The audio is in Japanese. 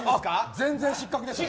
全然、失格ですね。